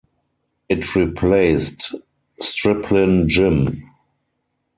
It replaced Striplin Gym.